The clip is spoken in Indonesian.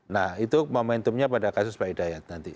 nah itu momentumnya pada kasus pak hidayat nanti